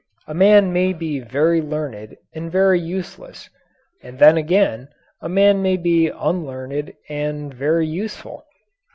A man may be very learned and very useless. And then again, a man may be unlearned and very useful.